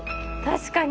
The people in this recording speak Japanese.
確かに！